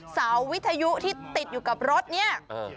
เสาวิทยุที่ติดอยู่กับรถเนี่ย